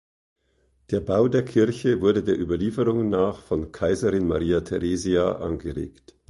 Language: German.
Der Bau der Kirche wurde der Überlieferung nach von Kaiserin Maria Theresia angeregt.